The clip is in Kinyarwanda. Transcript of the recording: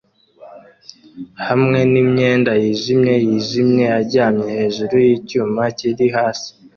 hamwe n imyenda yijimye yijimye aryamye hejuru yicyuma kiri hasi